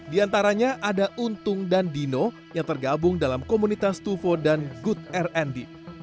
di antaranya ada untung dan dino yang tergabung dalam komunitas tuvo dan good rnb